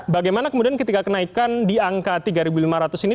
bagaimana kemudian ketika kenaikan di angka tiga lima ratus ini